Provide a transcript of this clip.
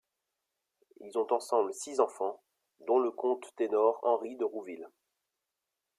Ils ont ensemble six enfants, dont le contre-ténor Henry de Rouville.